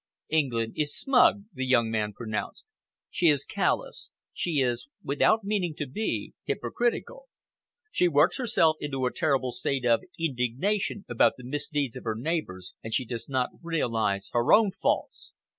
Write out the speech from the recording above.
"England is smug," the young man pronounced; "She is callous; she is, without meaning to be, hypocritical. She works herself into a terrible state of indignation about the misdeeds of her neighbours, and she does not realise her own faults.